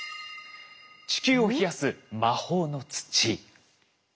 「地球を冷やす魔法の土！」。